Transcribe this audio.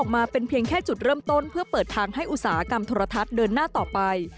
มาเป็นเพียงแค่จุดเริ่มต้นเพื่อเปิดทางให้อุตสาหกรรมโทรทัศน์เดินหน้าต่อไป